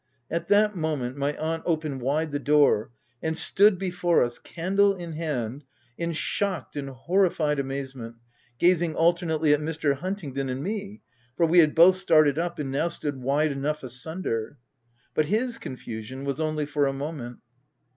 At that moment, my aunt opened wide the door, and stood before us, candle in hand, in shocked and horrified amazement, gazing al ternately at Mr. Huntingdon and me — for we had both started up, and now stood wide enough asunder. But his confusion was only for a moment.